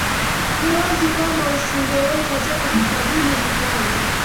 ni wazi kwamba asingeweza tena kubadili mawazo